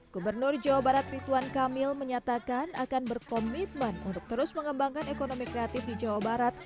gubernur jawa barat rituan kamil menyatakan akan berkomitmen untuk terus mengembangkan ekonomi kreatif di jawa barat